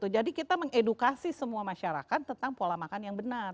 jadi kita mengedukasi semua masyarakat tentang pola makan yang benar